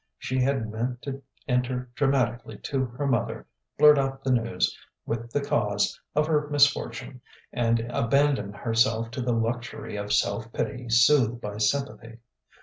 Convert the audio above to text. She had meant to enter dramatically to her mother, blurt out the news, with the cause, of her misfortune, and abandon herself to the luxury of self pity soothed by sympathy.